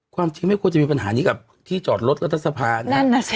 ความจริงไม่ควรจะมีปัญหานี้กับที่จอดรถรัฐสภานะสิ